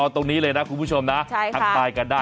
ตรงนี้เลยนะคุณผู้ชมนะ